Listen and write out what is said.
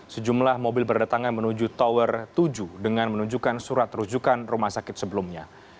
sejumlah mobil berdatangan menuju tower tujuh dengan menunjukkan surat rujukan rumah sakit sebelumnya